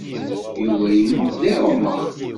Yuba yemmut deg Roma.